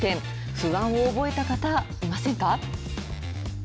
不安を覚えた方、いませんか。